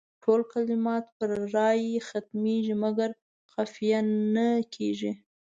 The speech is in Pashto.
ټول کلمات پر راء ختمیږي مګر قافیه نه کیږي.